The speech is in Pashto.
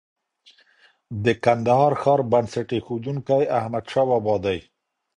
د کندهار ښار بنسټ ايښونکی احمد شاه بابا دی